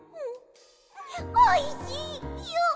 おいしいよ！